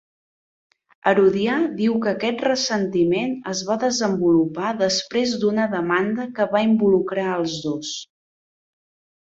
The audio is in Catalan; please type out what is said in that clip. Herodià diu que aquest ressentiment es va desenvolupar després d'una demanda que va involucrar als dos.